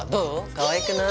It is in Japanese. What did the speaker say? かわいくない？